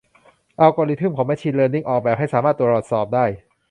อัลกอรึทึ่มของแมชชีนเลินนิ่ง ออกแบบให้สามารถตรวจสอบได้